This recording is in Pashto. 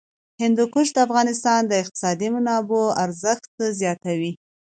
هندوکش د افغانستان د اقتصادي منابعو ارزښت زیاتوي.